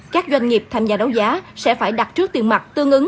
các doanh nghiệp tham gia đấu giá sẽ phải đặt trước tiền mặt tương ứng